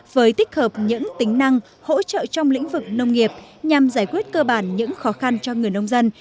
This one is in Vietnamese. với tích hợp những tính năng hỗ trợ trong lĩnh vực nông nghiệp nhằm giải quyết cơ bản những khó khăn cho người nông dân